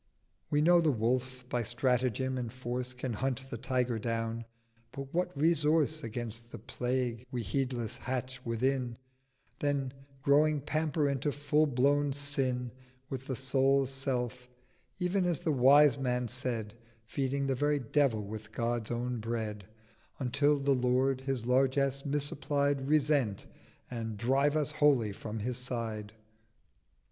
We know the Wolf: by Strategem and Force Can hunt the Tiger down: but what Resource Against the Plague we heedless hatch within, Then, growing, pamper into full blown Sin 930 With the Soul's self: ev'n, as the wise man said, Feeding the very Devil with God's own Bread; Until the Lord his Largess misapplied Resent, and drive us wholly from his Side?